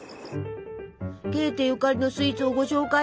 ゲーテゆかりのスイーツをご紹介！